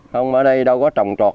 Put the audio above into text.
không ở đây đâu có trồng trọt